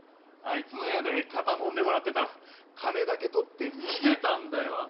あいつの部屋で肩もんでもらってたら金だけ取って逃げたんだよ